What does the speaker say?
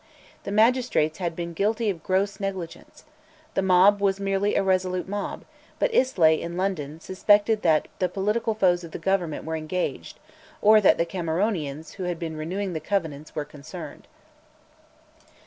The magistrates had been guilty of gross negligence. The mob was merely a resolute mob; but Islay, in London, suspected that the political foes of the Government were engaged, or that the Cameronians, who had been renewing the Covenants, were concerned.